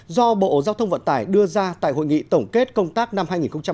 do bộ giao thông vận tải đưa ra tại hội nghị tổng kết công tác năm hai nghìn một mươi chín